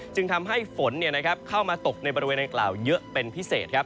จึงทำให้ฝนเข้ามาตกในบริเวณอังกล่าวเยอะเป็นพิเศษครับ